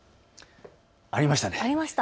ありました。